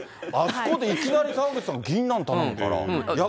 あそこでいきなり、澤口さん、ぎんなん頼むから。